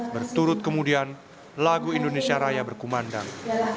berturut kemudian lagu indonesia raya berkumandang